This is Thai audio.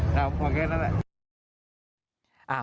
ผมขอแค่นั้นแหละ